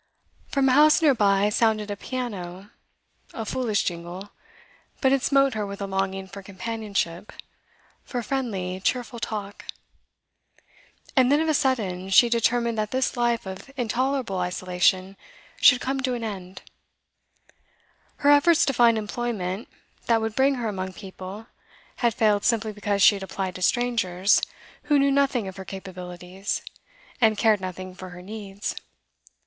From a house near by sounded a piano; a foolish jingle, but it smote her with a longing for companionship, for friendly, cheerful talk. And then of a sudden she determined that this life of intolerable isolation should come to an end. Her efforts to find employment that would bring her among people had failed simply because she applied to strangers, who knew nothing of her capabilities, and cared nothing for her needs.